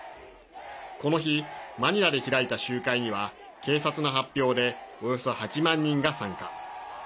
この日、マニラで開いた集会には警察の発表でおよそ８万人が参加。